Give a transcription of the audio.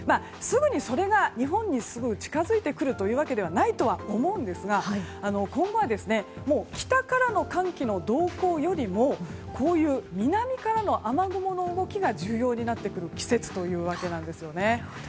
すぐにそれが日本にすごい近づいてくるというわけではないとは思うんですが今後は北からの寒気の動向よりもこういう南からの雨雲の動きが重要になってくる季節というわけなんですよね。